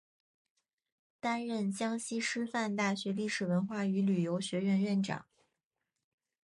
担任江西师范大学历史文化与旅游学院院长。